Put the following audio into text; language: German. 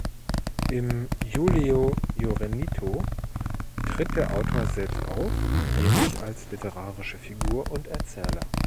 Im "Julio Jurenito" tritt der Autor selbst auf, nämlich als literarische Figur und Erzähler.